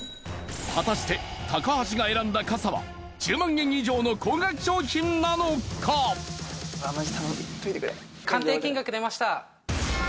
果たして高橋が選んだ傘は１０万円以上の高額商品なのか⁉すげぇ！